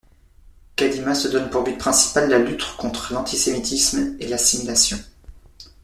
Kadimah se donne pour but principal la lutte contre l'antisémitisme et l'assimilation.